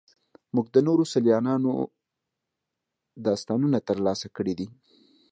موږ د نورو سیلانیانو داستانونه ترلاسه کړي دي.